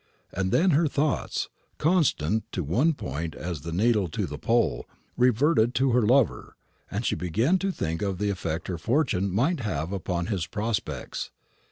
And then her thoughts, constant to one point as the needle to the pole, reverted to her lover, and she began to think of the effect her fortune might have upon his prospects.